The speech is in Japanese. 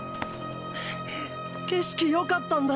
景色よかったんだよ！